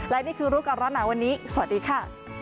และนี่คือรู้ก่อนร้อนหนาวันนี้สวัสดีค่ะ